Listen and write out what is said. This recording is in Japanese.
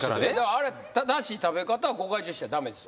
あれ正しい食べ方はご開帳しちゃダメです